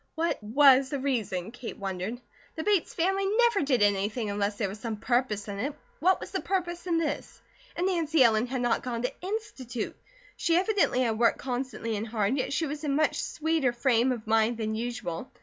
What was the reason, Kate wondered. The Bates family never did anything unless there was some purpose in it, what was the purpose in this? And Nancy Ellen had not gone to Institute. She evidently had worked constantly and hard, yet she was in much sweeter frame of mind than usual.